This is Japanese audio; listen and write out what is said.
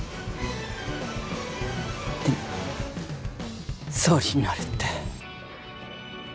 でも総理になるって。